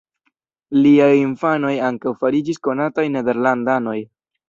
Liaj infanoj ankaŭ fariĝis konataj nederlandanoj.